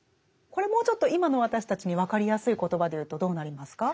これもうちょっと今の私たちに分かりやすい言葉で言うとどうなりますか？